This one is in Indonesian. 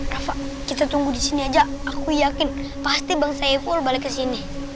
rafa kita tunggu di sini aja aku yakin pasti bang saiful balik ke sini